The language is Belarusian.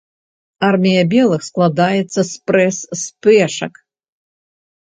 Армія белых складаецца спрэс з пешак.